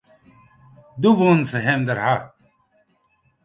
Doe woenen se him dêr ha.